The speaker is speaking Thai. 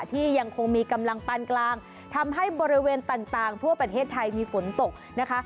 ที่ยังคงมีกำลังปานกลางทำให้บริเวณต่างทั่วประเทศไทยมีฝนตกนะคะ